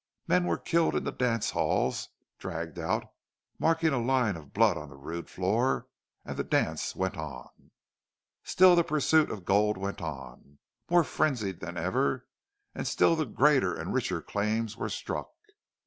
Men were killed in the dance halls, dragged out, marking a line of blood on the rude floor and the dance went on. Still the pursuit of gold went on, more frenzied than ever, and still the greater and richer claims were struck.